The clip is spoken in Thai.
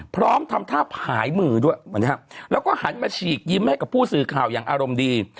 พร้อมทำท่าผายมือด้วยแล้วก็หันมาฉีกยิ้มให้กับผู้สื่อข่าวอย่างอารมณ์ดี